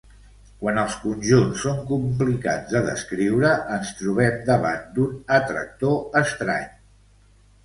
Quan els conjunts són complicats de descriure, ens trobem davant d'un atractor estrany.